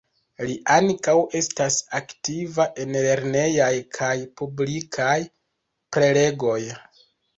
Li ankaŭ estas aktiva en lernejaj kaj publikaj prelegoj.